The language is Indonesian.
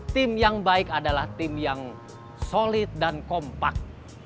tim yang baik adalah tim yang solid dan kompak